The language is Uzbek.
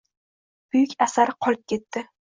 Buyuk asari qolib ketdi.